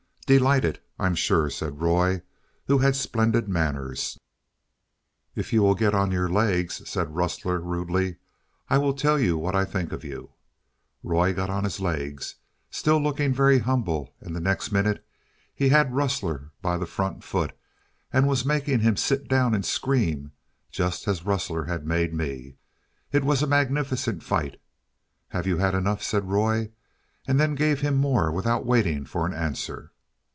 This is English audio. "Delighted, I'm sure," said Roy, who has splendid manners. "If you will get on your legs," said Rustler rudely, "I will tell you what I think of you." Roy got on his legs, still looking very humble, and the next minute he had Rustler by the front foot, and was making him sit down and scream just as Rustler had made me. It was a magnificent fight. "Have you had enough?" said Roy, and then gave him more without waiting for an answer.